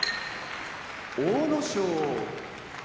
阿武咲